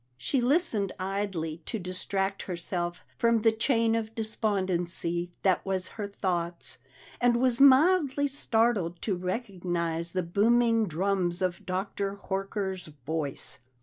She listened idly to distract herself from the chain of despondency that was her thoughts, and was mildly startled to recognize the booming drums of Dr. Horker's voice.